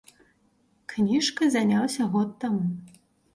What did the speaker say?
Кніжкай заняўся год таму.